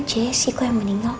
jesse kok yang meninggal